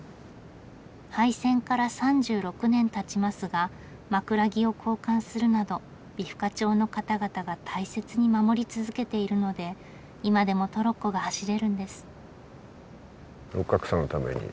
廃線から３６年たちますが枕木を交換するなど美深町の方々が大切に守り続けているので今でもトロッコが走れるんです。